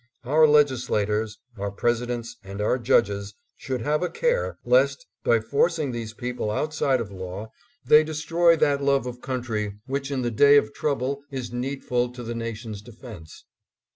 Our legislators, our Presidents, and our judges should have a care, lest, by forcing these people outside of law, they destroy that love of country which in the day of trouble is needful to the nation's defense.